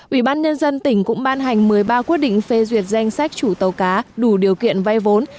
ủy ban nhân dân tỉnh cũng ban hành một mươi ba quyết định phê duyệt danh sách chủ tàu cá đủ điều kiện vay vốn